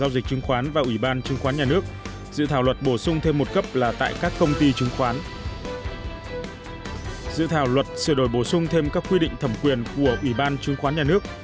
dự thảo luật sửa đổi bổ sung thêm các quy định thẩm quyền của ủy ban chứng khoán nhà nước